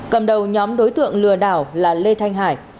cầm đầu nhóm đối tượng lừa đảo là lê thanh hải